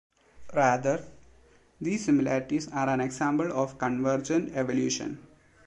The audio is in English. Rather, these similarities are an example of convergent evolution.